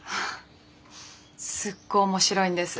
すっごい面白いんです。